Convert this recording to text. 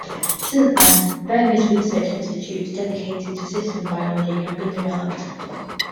Since then, various research institutes dedicated to systems biology have been developed.